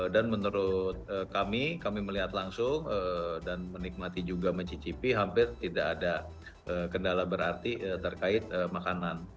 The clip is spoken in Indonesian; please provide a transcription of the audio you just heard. dan menurut kami kami melihat langsung dan menikmati juga mencicipi hampir tidak ada kendala berarti terkait makanan